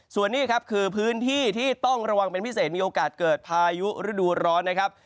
ส่วนนี้ครับคือพื้นที่ที่ต้องระวังเป็นพิเศษมีโอกาสเกิดพายุฤดูร้อนนะครับ